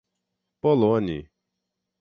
Poloni